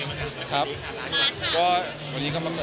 เอาพี่กึ่งแทนให้พี่กึ่งแทน